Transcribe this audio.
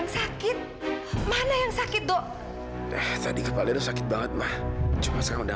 sampai jumpa di video selanjutnya